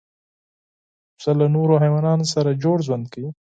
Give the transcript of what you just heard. پسه له نورو حیواناتو سره جوړ ژوند کوي.